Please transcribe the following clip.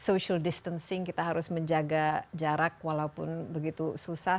karena kita harus menjalankan lo kita harus menjaga jarak walaupun begitu susah